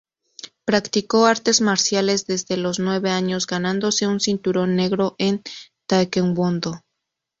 Practicó artes marciales desde los nueve años ganándose un cinturón negro en Taekwondo.